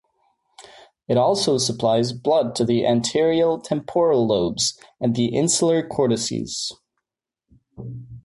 It also supplies blood to the anterior temporal lobes and the insular cortices.